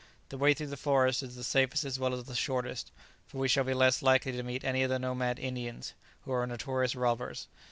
The way through the forest is the safest as well as the shortest, for we shall be less likely to meet any of the nomad Indians, who are notorious robbers."